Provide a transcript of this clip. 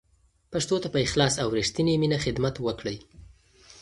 پښتو ته په اخلاص او رښتینې مینه خدمت وکړئ.